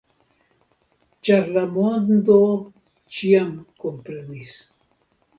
Ĉar la mondo ĉiam komprenis.